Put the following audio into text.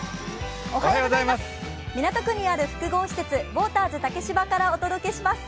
港区にある複合施設、ウォーターズ竹芝からお届けします。